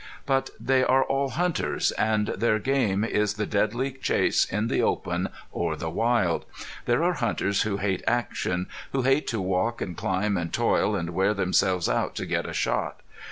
But they are all hunters and their game is the deadly chase in the open or the wild. There are hunters who hate action, who hate to walk and climb and toil and wear themselves out to get a shot.